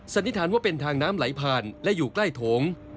สันนิษฐานว่าเป็นทางน้ำไหลผ่านและอยู่ใกล้โถง